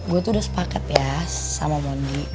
gue tuh udah sepaket ya sama mondi